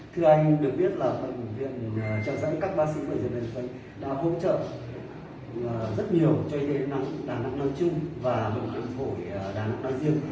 thưa anh được biết là phần bệnh viện trợ giãn các bác sĩ và dân viên phẫu đã hỗ trợ rất nhiều cho y tế đà nẵng đà nẵng đôi chung và bộ phòng hội đà nẵng đôi riêng